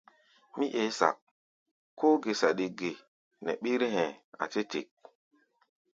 Mí eé sak, kóó gé saɗi ge nɛ ɓír hɛ̧ɛ̧, a̧ tɛ́ tik.